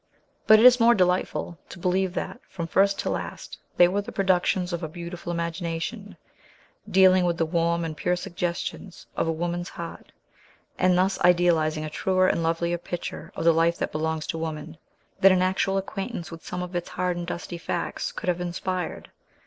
But it is more delightful to believe that, from first to last, they were the productions of a beautiful imagination, dealing with the warm and pure suggestions of a woman's heart, and thus idealizing a truer and lovelier picture of the life that belongs to woman, than an actual acquaintance with some of its hard and dusty facts could have inspired.